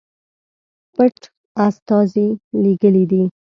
پټ استازي لېږلي دي.